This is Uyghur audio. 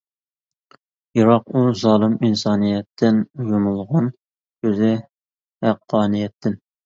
يىراق ئۇ زالىم ئىنسانىيەتتىن، يۇمۇلغان كۆزى ھەققانىيەتتىن.